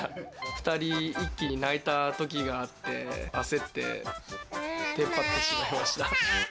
２人、一気に泣いたときがあって、焦って、てんぱってしまいました。